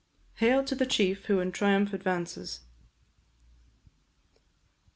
HAIL TO THE CHIEF WHO IN TRIUMPH ADVANCES!